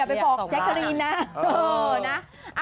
อย่าไปบอกแจกรีนนะ